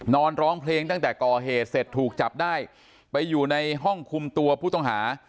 ร้องเพลงตั้งแต่ก่อเหตุเสร็จถูกจับได้ไปอยู่ในห้องคุมตัวผู้ต้องหา